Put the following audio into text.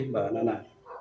ya terima kasih mbak nana